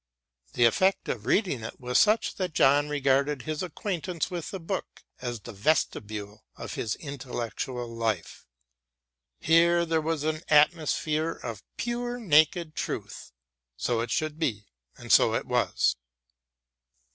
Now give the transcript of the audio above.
The effect of reading it was such that John regarded his acquaintance with the book as the vestibule of his intellectual life. Here there was an atmosphere of pure naked truth. So it should be and so it was.